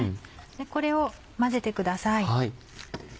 これを混ぜてください。